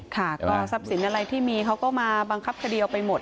ค่ะก็ทรัพย์สินอะไรที่มีเขาก็มาบังคับคดีเอาไปหมด